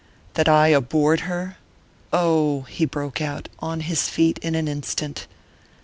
"That I abhorred her? Oh " he broke out, on his feet in an instant.